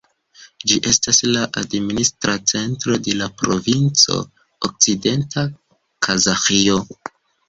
Ĝi estas la administra centro de la provinco Okcidenta Kazaĥio.